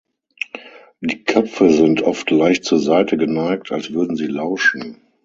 Die Köpfe sind oft leicht zur Seite geneigt, als würden sie lauschen.